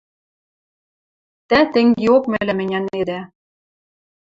Тӓ тенгеок мӹлӓм ӹнянедӓ.